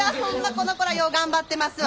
この子らよう頑張ってますわ。